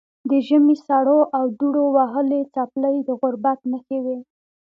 د ژمي سړو او دوړو وهلې څپلۍ د غربت نښې وې.